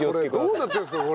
どうなってるんですか？